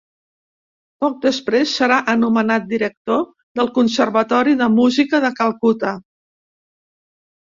Poc després serà anomenat director del Conservatori de Música de Calcuta.